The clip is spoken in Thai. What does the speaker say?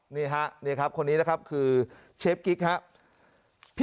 นี่ฮะนี่ครับคนนี้นะครับคือเชฟกิ๊กครับ